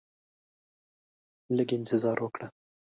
لږ انتظار وکړه